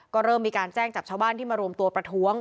ก็เริ่มมีการแจ้งจับชาวบ้านที่มารวมตัวประท้วง